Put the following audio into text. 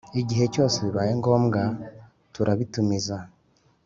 igihe cyose bibaye ngombwa turabitumiza